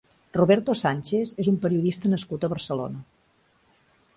Roberto Sánchez és un periodista nascut a Barcelona.